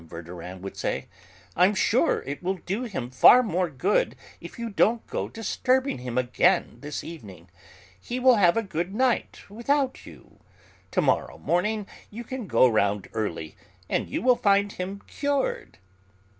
Verdurin would say, "I'm sure it will do him far more good if you don't go disturbing him again this evening; he will have a good night without you; to morrow morning you can go round early and you will find him cured."